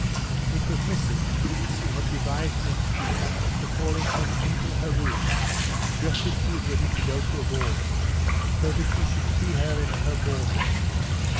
It was Missy, who had devised an excuse for calling him into her room just as she was ready to go to a ball, so that he should see her in her ball dress.